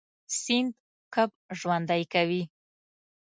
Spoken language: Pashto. سیند کب ژوندی کوي.